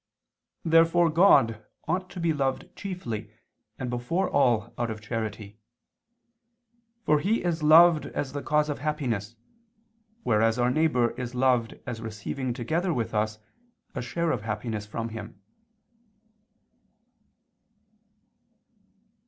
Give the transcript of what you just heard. Therefore God ought to be loved chiefly and before all out of charity: for He is loved as the cause of happiness, whereas our neighbor is loved as receiving together with us a share of happiness from Him.